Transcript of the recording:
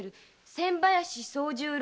千林惣十郎？